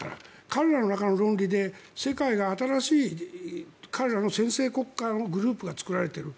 彼らの中の論理で新しい彼らの専制国家のグループが作られている。